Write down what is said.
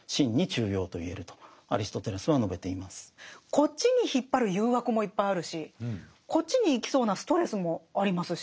こっちに引っ張る誘惑もいっぱいあるしこっちに行きそうなストレスもありますし。